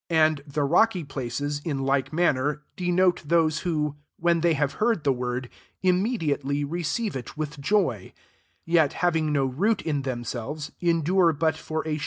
16 Ami the rocky places, in like man ner, denote those who, when they have heard the word, iik mediately receive it with jojr $ 17 yet, having no root in themselves, endure but for m.